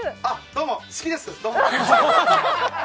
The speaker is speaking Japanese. どうも、好きです！